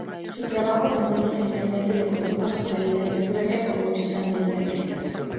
Su trabajo continuo finalmente lo condujo a su caída en desgracia con muchos ambientalistas.